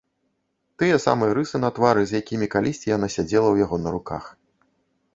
Тыя самыя рысы на твары, з якім калісьці яна сядзела ў яго на руках.